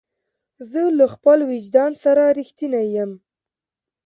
زه له خپل وجدان سره رښتینی یم.